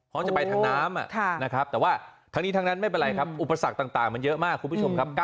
จะไปทางน้ำนะครับแต่ว่าทั้งนี้ทั้งนั้นไม่เป็นไรครับอุปสรรคต่างมันเยอะมากคุณผู้ชมครับ